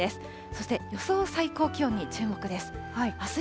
そして予想最高気温に注目です。